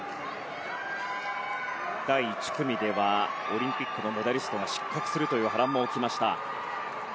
第１組ではオリンピックのメダリストが失格するという波乱も起きました。